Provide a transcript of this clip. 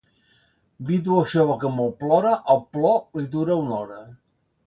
Vídua jove que molt plora, el plor li dura una hora.